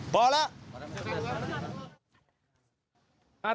พอแล้ว